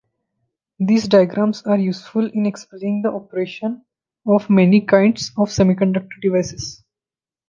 These diagrams are useful in explaining the operation of many kinds of semiconductor devices.